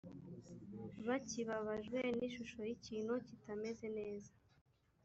bakibabajwe n’ishusho y’ikintu kitameze neza